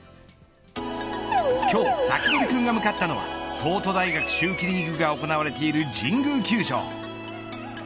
今日サキドリくんが向かったのは東都大学秋季リーグが行われている神宮球場。